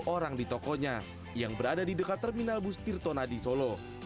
empat orang di tokonya yang berada di dekat terminal bus tirtonadi solo